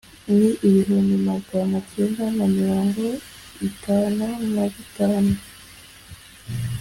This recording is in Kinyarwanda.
ni ibihumbi magana cyenda na mirongo itanu na bitanu